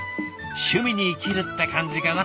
趣味に生きるって感じかな？